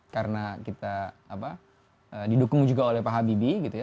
karena kita apa didukung juga oleh pak habibie gitu ya